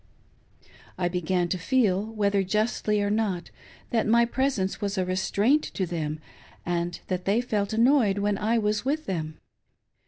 I began to feel, whether justly or not, that my presence was a restraint to them, and that they felt annoyed when I was with them.